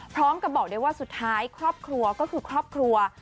พร้อมกับบอกได้ว่าสุดท้ายครอบครัวก็คือครอบครัว